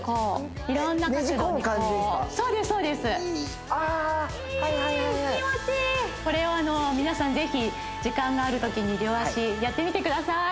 はいはいはいはい気持ちいいこれを皆さんぜひ時間があるときに両足やってみてください